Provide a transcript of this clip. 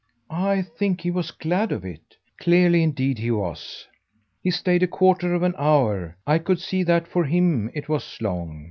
"I think he was glad of it. Clearly indeed he was. He stayed a quarter of an hour. I could see that for HIM it was long.